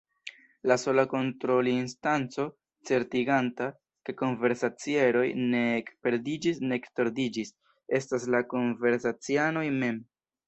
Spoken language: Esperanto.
La sola kontrolinstanco certiganta, ke konversacieroj nek perdiĝis nek tordiĝis, estas la konversacianoj mem.